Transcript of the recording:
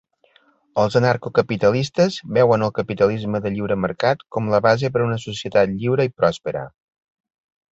Els anarcocapitalistes veuen el capitalisme de lliure mercat com la base per a una societat lliure i pròspera.